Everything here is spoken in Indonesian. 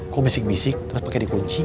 kok bisik bisik terus pakai dikunci